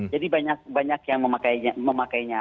jadi banyak banyak yang memakainya